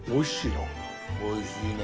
おいしいね